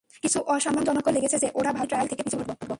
কিছুটা অসম্মানজনকও লেগেছে যে, ওরা ভাবছে আমি ট্রায়াল থেকে পিছু হটব।